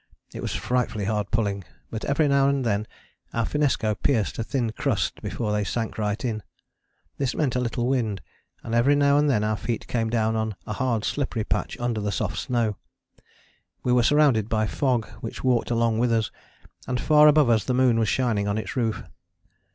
It was frightfully hard pulling; but every now and then our finnesko pierced a thin crust before they sank right in. This meant a little wind, and every now and then our feet came down on a hard slippery patch under the soft snow. We were surrounded by fog which walked along with us, and far above us the moon was shining on its roof.